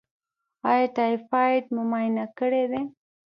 ایا ټایفایډ مو معاینه کړی دی؟